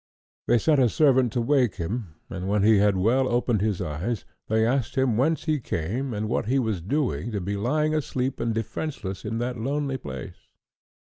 They sent a servant to wake him, and when he had well opened his eyes, they asked him whence he came, and what he was doing, to be lying asleep and defenceless in that lonely place.